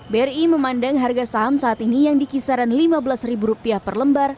bri memandang harga saham saat ini yang di kisaran lima belas ribu rupiah per lembar